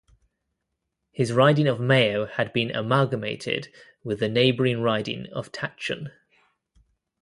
His riding of Mayo had been amalgamated with the neighbouring riding of Tatchun.